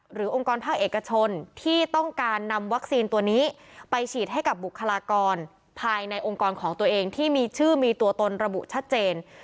องค์กรภาคเอกชนที่ต้องการนำวัคซีนตัวนี้ไปฉีดให้กับบุคลากรภายในองค์กรของตัวเองที่มีชื่อมีตัวตนระบุชัดเจน